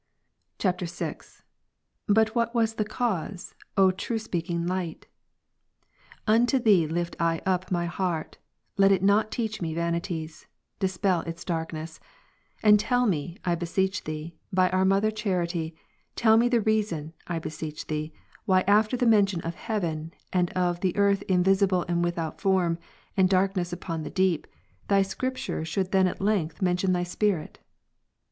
[VI.] 7. But what was the cause, O true speaking Light? — unto Thee lift I up my heart, let it not teach me vanities, dispel its darkness ; and tell me, I beseech Thee, by our mother charity, tell me the reason, I beseech Thee, why after the mention of heaven, and of the earth invisible and without form, and darkness upon the deep, Thy Scripture should then at length mention Thy Spirit^?